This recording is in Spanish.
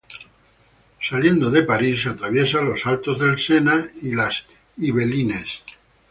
Saliendo de París atraviesa los Altos del Sena y las Yvelines.